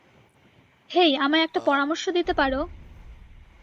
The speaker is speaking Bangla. হেই, আমায় একটা পরামর্শ দিতে পারো?